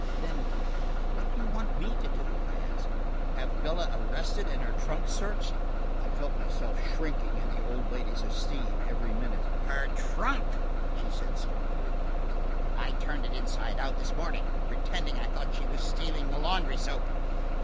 "Then–what do you want me to do?" I asked. "Have Bella arrested and her trunk searched?" I felt myself shrinking in the old lady's esteem every minute. "Her trunk!" she said scornfully. "I turned it inside out this morning, pretending I thought she was stealing the laundry soap.